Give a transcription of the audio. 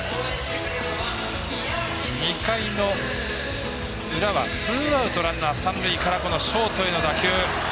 ２回の裏はツーアウト、ランナー、三塁からショートへの打球。